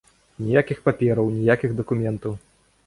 Ніякіх папераў, ніякіх дакументаў.